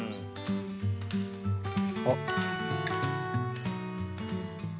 あっ。